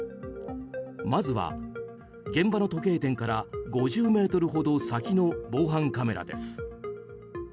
まずは、現場の時計店から５０ｍほど先の防犯カメラです。